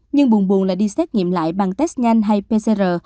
nhưng buồn buồn là đi xét nghiệm lại bằng test nhanh hay pcr